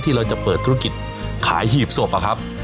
ที่เราจะเปิดธุรกิจขายหยีบสวบหรอครับ